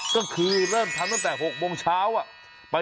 ก็คือเริ่มทำตั้งแต่๖โมงเช้า